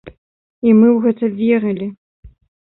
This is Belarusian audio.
І мы ў гэта верылі.